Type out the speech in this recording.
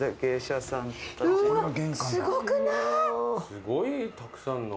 すごいたくさんの。